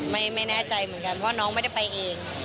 ไม่แน่ใจเหมือนกันเพราะน้องไม่ได้ไปเอง